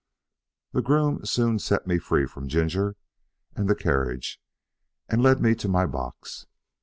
The groom soon set me free from Ginger and the carriage, and led me to my box.